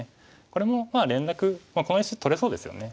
これも連絡この石取れそうですよね。